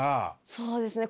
そうですね。